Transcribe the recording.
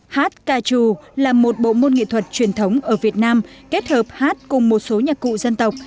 hát ca trù là một bộ môn nghệ thuật truyền thống ở việt nam kết hợp hát cùng một số nhạc cụ dân tộc